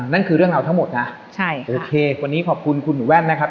นั่นคือเรื่องราวทั้งหมดนะใช่โอเควันนี้ขอบคุณคุณหนูแว่นนะครับ